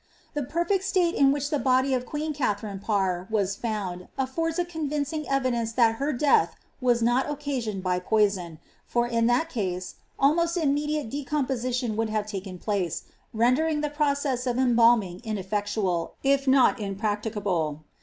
The perfect state in which the body of queen Katharioe Parr was found affords a convincing evidence that her death was not occasioned by poison, for in that case almost immediate decompositioa would have taken place, rendering the process of embalming ineifiectoal, if not impracticable.